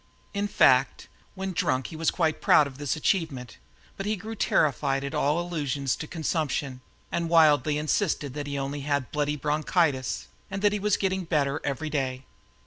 In fact, when drunk, he was quite proud of this achievement, but grew terrified at all allusions to consumption and wildly insisted that he only had "bloody bronchitis," and that he was getting better every day.